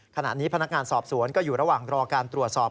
ขณะนี้พนักงานสอบสวนก็อยู่ระหว่างรอการตรวจสอบ